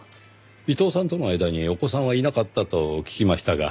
伊藤さんとの間にお子さんはいなかったと聞きましたが。